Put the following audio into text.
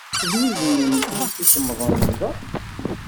Tesnuzuyemt imsisemḍen da?